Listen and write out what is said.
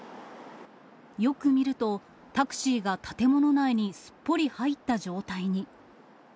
よく見ると、タクシーが建物内にすっぽり入った状態に。